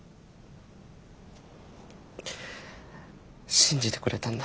信じてくれたんだ。